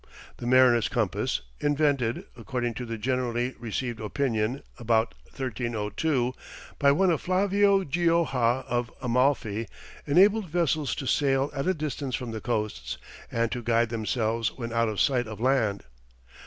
The mariner's compass, invented, according to the generally received opinion, about 1302, by one Flavio Gioja of Amalfi, enabled vessels to sail at a distance from the coasts, and to guide themselves when out of sight of land.